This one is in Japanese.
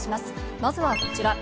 まずはこちら。